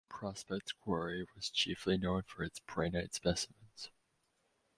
Prospect Quarry was chiefly known for its prehnite specimens.